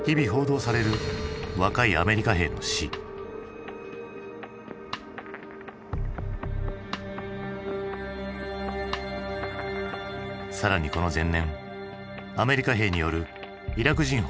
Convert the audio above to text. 更にこの前年アメリカ兵によるイラク人捕虜の虐待が発覚。